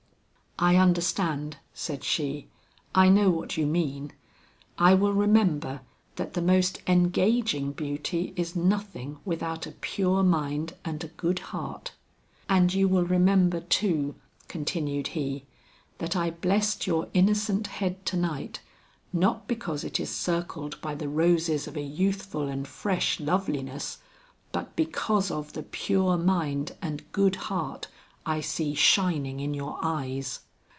"I understand," said she, "I know what you mean. I will remember that the most engaging beauty is nothing without a pure mind and a good heart." "And you will remember too," continued he, "that I blessed your innocent head to night, not because it is circled by the roses of a youthful and fresh loveliness, but because of the pure mind and good heart I see shining in your eyes."